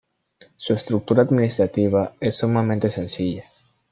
Su estructura administrativa es sumamente sencilla.